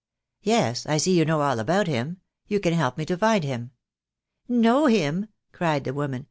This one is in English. "Yes, I see you know all about him. You can help me to find him." "Know him!" cried the woman.